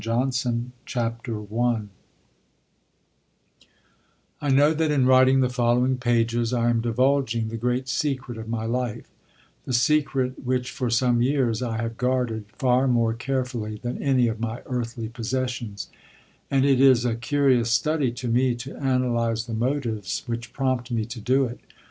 The Publishers I I know that in writing the following pages I am divulging the great secret of my life, the secret which for some years I have guarded far more carefully than any of my earthly possessions; and it is a curious study to me to analyze the motives which prompt me to do it.